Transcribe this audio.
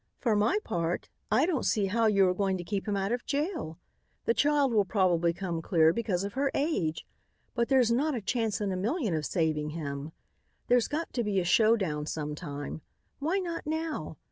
For my part, I don't see how you are going to keep him out of jail. The child will probably come clear because of her age, but there's not a chance in a million of saving him. There's got to be a show down sometime. Why not now?